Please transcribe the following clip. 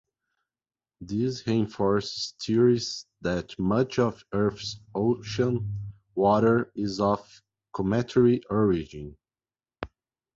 This reinforces theories that much of Earth's ocean water is of cometary origin.